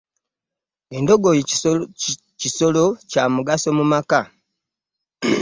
Endogoyi kisolo kya mugaso mu maka.